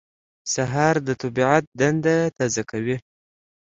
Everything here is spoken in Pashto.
سهار د طبیعت دنده تازه کوي.